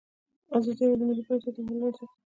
ازادي راډیو د مالي پالیسي د تحول لړۍ تعقیب کړې.